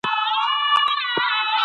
بغاوت د ناسم دود پر ضد دریځ دی.